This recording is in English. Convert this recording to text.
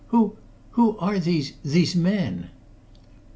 "Who who are these these men?"